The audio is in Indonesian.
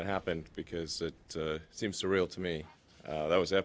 tapi tidak terjadi karena itu menarik bagi saya